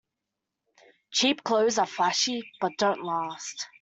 Cheap clothes are flashy but don't last.